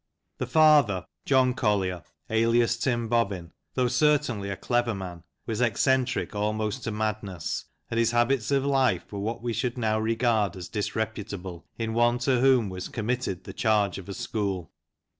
The father, John Collier, alias Tim Bobbin, though certainly a clever man, was eccentric almost to madness, and his habits of life were what we should now regard as disreput able in one to whom was committed the charge of a school.